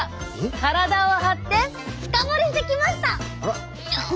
体を張ってフカボリしてきました！